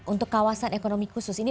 untuk kawasan ekonomi khusus ini